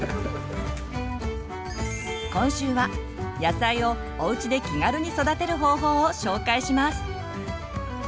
今週は野菜をおうちで気軽に育てる方法を紹介します。